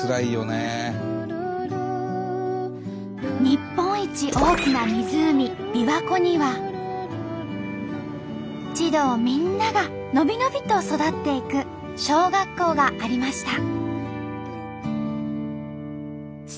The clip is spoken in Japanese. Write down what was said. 日本一大きな湖びわ湖には児童みんながのびのびと育っていく小学校がありました。